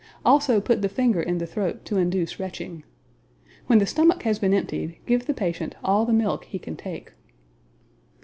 Also put the finger in the throat to induce retching. When the stomach has been emptied, give the patient all the milk he can take.